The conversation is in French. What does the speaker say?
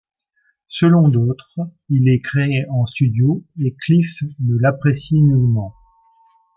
Selon d'autres, il est créé en studio, et Cliff ne l'apprécie nullement.